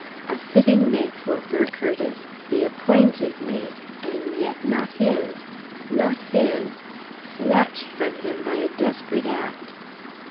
A fitting mate for Burr Curtiss the appointed mate and yet not his! Not his! Snatched from him by a desperate act.